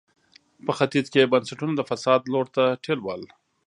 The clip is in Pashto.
په ختیځ کې یې بنسټونه د فساد لور ته ټېل وهل.